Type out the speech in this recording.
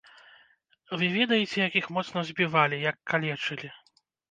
Вы ведаеце, як іх моцна збівалі, як калечылі.